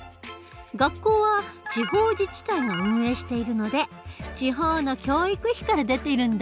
学校は地方自治体が運営しているので地方の教育費から出てるんだ。